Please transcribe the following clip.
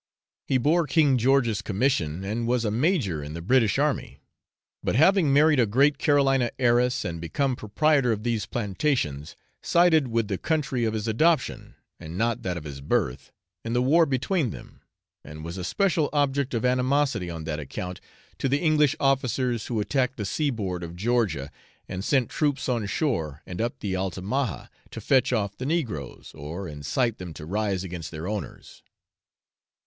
He bore King George's commission, and was a major in the British army, but having married a great Carolina heiress, and become proprietor of these plantations, sided with the country of his adoption, and not that of his birth, in the war between them, and was a special object of animosity on that account to the English officers who attacked the sea board of Georgia, and sent troops on shore and up the Altamaha, to fetch off the negroes, or incite them to rise against their owners.